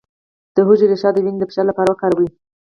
د هوږې ریښه د وینې د فشار لپاره وکاروئ